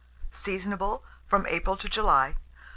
Seasonable from April to July.